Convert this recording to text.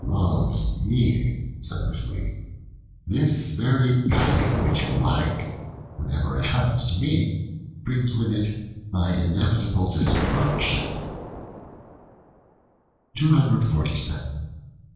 "Woe's me!" said the flea; "this very patting which you like, whenever it happens to me, brings with it my inevitable destruction."